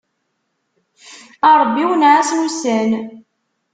A Ṛebbi wenneɛ-asen ussan.